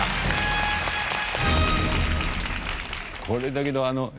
これだけどあの。